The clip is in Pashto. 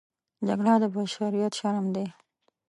جګړه د بشریت شرم دی